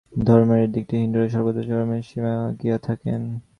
ধর্মের এই দিকটিতে হিন্দুরাই সর্বদা চরম সীমায় গিয়া থাকেন।